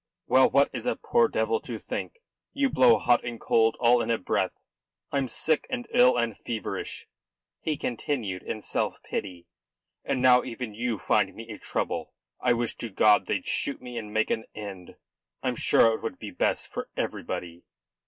"Well, what is a poor devil to think? You blow hot and cold all in a breath. I'm sick and ill and feverish," he continued with self pity, "and now even you find me a trouble. I wish to God they'd shoot me and make an end. I'm sure it would be best for everybody."